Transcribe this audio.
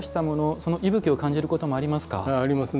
その息吹を感じることもありますか。